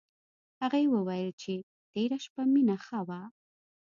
هغې وویل چې تېره شپه مينه ښه وه